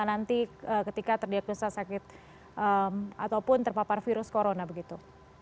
nanti ketika terdiagnosa sakit ataupun terpapar virus corona begitu